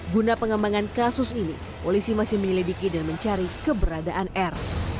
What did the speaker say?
guna pengembangan kasus ini polisi masih menyelidiki dan mencari keberadaan r